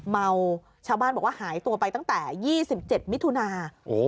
เมาชาวบ้านบอกว่าหายตัวไปตั้งแต่๒๗มิถุนา